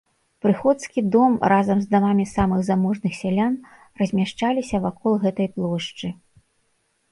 Прыходскі дом, разам з дамамі самых заможных сялян, размяшчаліся вакол гэтай плошчы.